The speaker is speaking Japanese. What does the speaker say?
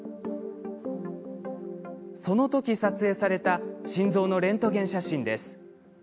その時、撮影された心臓のレントゲン写真です。